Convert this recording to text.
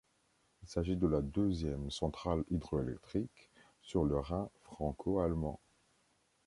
Il s'agit de la deuxième centrale hydroélectrique sur le Rhin franco-allemand.